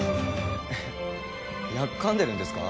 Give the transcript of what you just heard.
えっやっかんでるんですか？